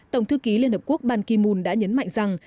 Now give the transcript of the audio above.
tổng thư ký liên hợp quốc ban ki moon đã nhấn mạnh rằng